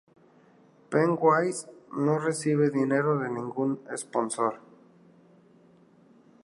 Pennywise no recibe dinero de ningún sponsor.